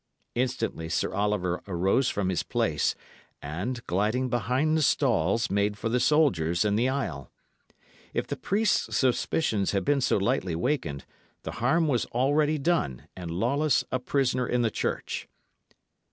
Instantly Sir Oliver arose from his place, and, gliding behind the stalls, made for the soldiers in the aisle. If the priest's suspicions had been so lightly wakened, the harm was already done, and Lawless a prisoner in the church.